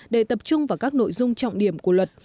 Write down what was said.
để tập trung vào các nội dung trọng điểm của luật